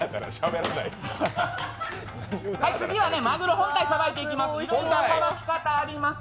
次は、マグロ本体さばいていきます